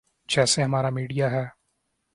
جیسا ہمارا میڈیا ہے۔